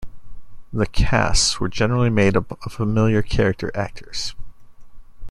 The casts were generally made up of familiar character actors.